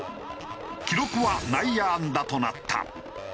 記録は内野安打となった。